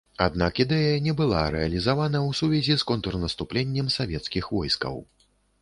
Аднак ідэя не была рэалізавана ў сувязі з контрнаступленнем савецкіх войскаў.